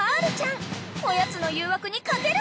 ［おやつの誘惑に勝てるか？］